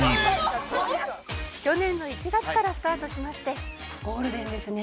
去年の１月からスタートしましてゴールデンですね。